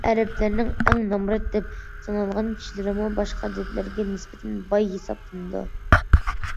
لېكىن ئەرەبلەرنىڭ ئەڭ نامرات دەپ سانالغان كىشىلىرىمۇ باشقا دۆلەتلەرگە نىسبەتەن باي ھېسابلىنىدۇ.